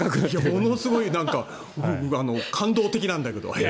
ものすごいなんか、感動的なんだけど。